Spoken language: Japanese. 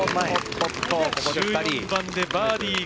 １４番でバーディー。